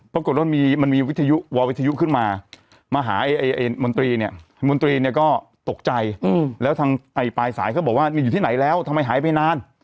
ปรากฏว่ามันมีวิทยุววิทยุขึ้นมามาหาไอ้มนตรีเนี่ยมนตรีเนี่ยก็ตกใจแล้วทางปลายสายเขาบอกว่านี่อยู่ที่ไหนแล้วทำไมหายไปนาน